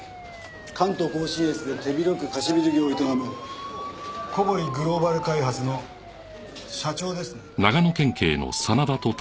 関東甲信越で手広く貸しビル業を営む小堀グローバル開発の社長ですね。